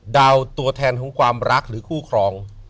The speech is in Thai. ตัวแทนของความรักหรือคู่ครอง